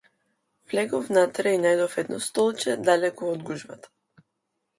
Влегов внатре и најдов едно столче далеку од гужвата.